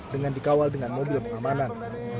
dengan dikawal dengan mobil pengamanan